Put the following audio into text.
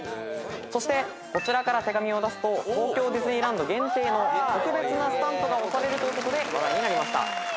そしてこちらから手紙を出すと東京ディズニーランド限定の特別なスタンプが押されるということで話題になりました。